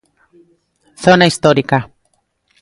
Zona histórica.